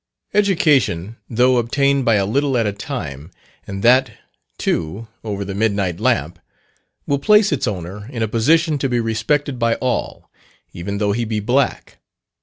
Education, though obtained by a little at a time, and that, too, over the midnight lamp, will place its owner in a position to be respected by all, even though he be black.